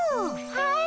はい。